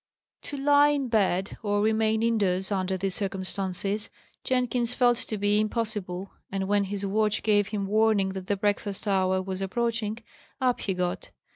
To lie in bed, or remain indoors, under these circumstances, Jenkins felt to be impossible; and when his watch gave him warning that the breakfast hour was approaching, up he got.